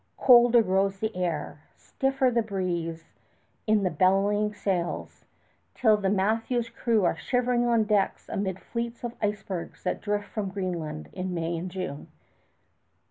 Colder grows the air, stiffer the breeze in the bellying sails, till the Matthew's crew are shivering on decks amid fleets of icebergs that drift from Greenland in May and June.